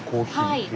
はい。